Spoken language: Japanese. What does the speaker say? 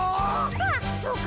あっそうか！